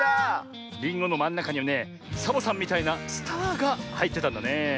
りんごのまんなかにはねサボさんみたいなスターがはいってたんだねえ。